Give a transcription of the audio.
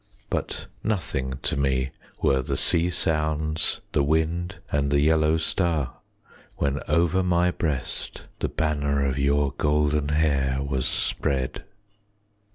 But nothing to me were the sea sounds, 5 The wind and the yellow star, When over my breast the banner Of your golden hair was spread.